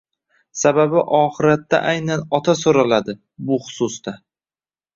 Sababi oxiratda aynan ota so‘raladi bu xususda